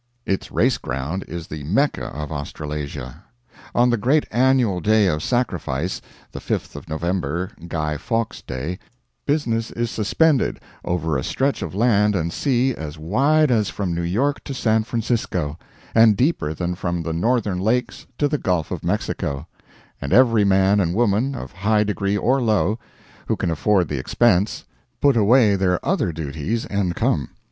Its race ground is the Mecca of Australasia. On the great annual day of sacrifice the 5th of November, Guy Fawkes's Day business is suspended over a stretch of land and sea as wide as from New York to San Francisco, and deeper than from the northern lakes to the Gulf of Mexico; and every man and woman, of high degree or low, who can afford the expense, put away their other duties and come.